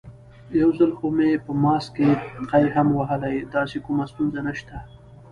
یو ځل خو مې په ماسک کې قی هم وهلی، داسې کومه ستونزه نشته.